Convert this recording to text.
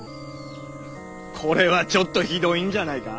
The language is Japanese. これはちょっとヒドいんじゃないか？